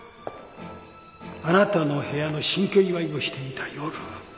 あなたの部屋の新居祝いをしていた夜。